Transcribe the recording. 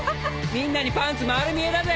みんなにパンツ丸見えだぜ。